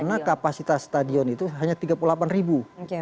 karena kapasitas stadion itu hanya tiga puluh delapan ribu